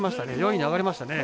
４位に上がりましたね。